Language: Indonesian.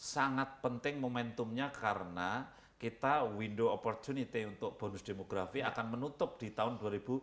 sangat penting momentumnya karena kita window opportunity untuk bonus demografi akan menutup di tahun dua ribu dua puluh